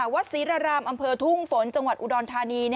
วัดศรีรารามอำเภอทุ่งฝนจังหวัดอุดรธานี